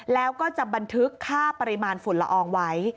แล้วก็จะบันทึกค่าปริมาณฝุ่นละอองไว้